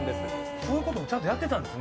そういうことをちゃんとやってたんですね